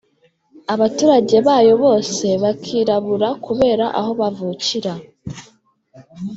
abaturage bayo bose bakirabura kubera aho bavukira